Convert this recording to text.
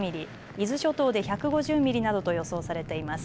伊豆諸島で１５０ミリなどと予想されています。